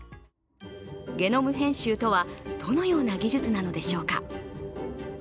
ゲノム編集とは、どのような技術なのでしょうか。